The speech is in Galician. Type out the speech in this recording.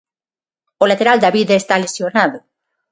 O lateral Davide está lesionado.